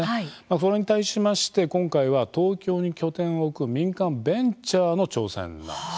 それに対しまして今回は、東京に拠点を置く民間ベンチャーの挑戦なんですね。